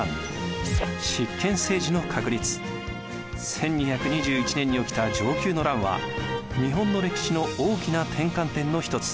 １２２１年に起きた承久の乱は日本の歴史の大きな転換点の一つ。